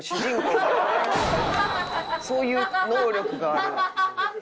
そういう能力がある。